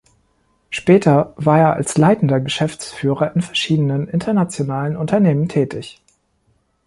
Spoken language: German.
Später war er als leitender Geschäftsführer in verschiedenen internationalen Unternehmen tätig.